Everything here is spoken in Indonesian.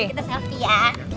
nanti kita selfie ya